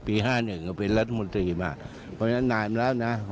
พี่พูดถึงเรื่องของการโหวดหลังคาได้ไหมคะเรื่องของการโหวดเรื่องประธานสภา